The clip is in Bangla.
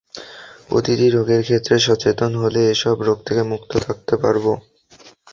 প্রতিটি রোগের ক্ষেত্রে সচেতন হলে এসব রোগ থেকে মুক্ত থাকতে পারব।